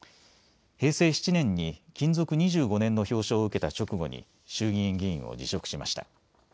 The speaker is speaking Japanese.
平成７年に勤続２５年の表彰を受けた直後に衆議院議員を辞職しました。